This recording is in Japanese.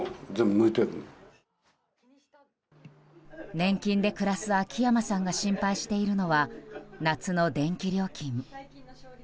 年金で暮らす秋山さんが心配しているのは夏の電気料金。